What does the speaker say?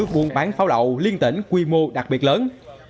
buôn bán pháo lậu liên tỉnh quy mô đặc biệt lớn